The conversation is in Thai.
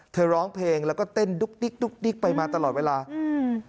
ร้องเพลงแล้วก็เต้นดุ๊กดิ๊กดุ๊กดิ๊กไปมาตลอดเวลาอืม